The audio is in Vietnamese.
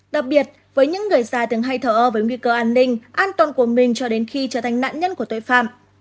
đặc biệt với những người già thường hay thở ơ với nguy cơ an ninh an toàn của mình cho đến khi trở thành nạn nhân của tội phạm